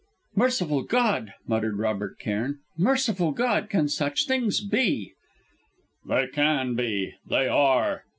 "Merciful God!" muttered Robert Cairn, "Merciful God, can such things be!" "They can be they are!